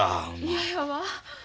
嫌やわ。